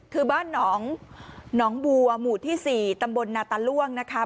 คือบ้านหนองบัวหมู่ที่๔ตำบลนาตาล่วงนะคะ